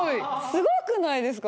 すごくないですか？